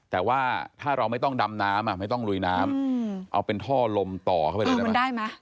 แต่ว่าถ้าเราไม่ต้องดำน้ำไม่ต้องลุยน้ำเอาเป็นท่อลมต่อเข้าไปเลยนะมันได้ไหม